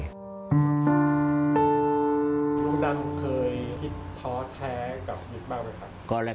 ลุงดังเคยคิดเพราะแท้กับลุงมากมั้ยคะ